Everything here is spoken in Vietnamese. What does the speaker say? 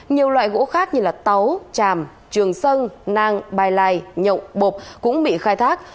nhiều loại gỗ khác như tấu chàm trường sân nang bài lai nhộng bộp cũng bị khai thác